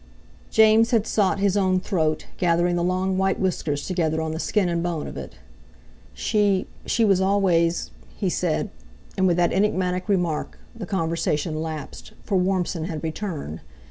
James had sought his own throat, gathering the long white whiskers together on the skin and bone of it. "She—she was always...." he said, and with that enigmatic remark the conversation lapsed, for Warmson had returned.